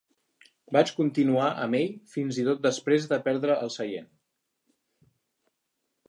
Vaig continuar amb ell fins i tot després de perdre el seient.